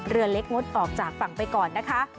เรือเล็กงดออกจากฝั่งไปก่อนนะคะ